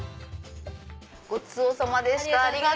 ごちそうさまでした。